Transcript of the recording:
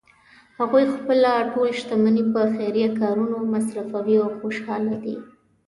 هغوی خپله ټول شتمني په خیریه کارونو مصرفوی او خوشحاله دي